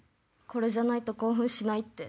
これじゃないと興奮しないって。